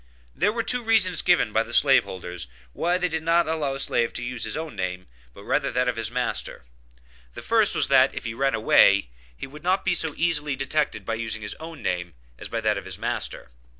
There were two reasons given by the slave holders why they did not allow a slave to use his own name, but rather that of the master. The first was that, if he ran away, he would not be so easily detected by using his own name as by that of his master.